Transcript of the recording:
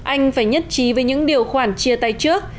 anh phải nhất trí với những điều khoản chia tay trước